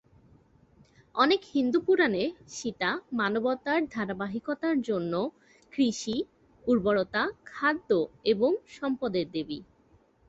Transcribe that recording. অনেক হিন্দু পুরাণে, সীতা মানবতার ধারাবাহিকতার জন্য কৃষি, উর্বরতা, খাদ্য এবং সম্পদের দেবী।